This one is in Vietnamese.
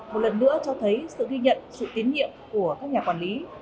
một lần nữa cho thấy sự ghi nhận sự tín nhiệm của các nhà quản lý